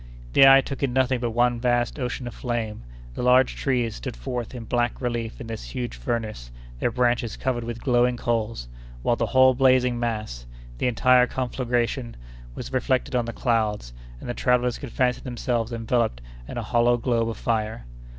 The eye took in nothing but one vast ocean of flame; the large trees stood forth in black relief in this huge furnace, their branches covered with glowing coals, while the whole blazing mass, the entire conflagration, was reflected on the clouds, and the travellers could fancy themselves enveloped in a hollow globe of fire.